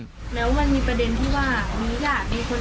แล้วมันมีประเด็นที่ว่ามีอย่างในคนอื่น